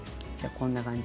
こんな感じ？